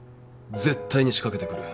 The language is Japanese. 絶対に仕掛けてくる。